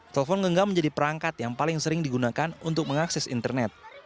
telepon genggam menjadi perangkat yang paling sering digunakan untuk mengakses internet